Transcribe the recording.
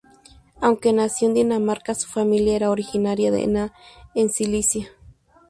Aunque nacido en Dinamarca, su familia era originaria de Enna en Sicilia.